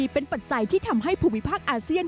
เป็นปัจจัยที่ทำให้ภูมิภาคอาเซียน